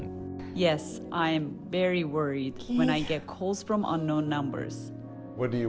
dan mereka juga terpaksa mendapat panggilan dari nomor yang tidak diketahui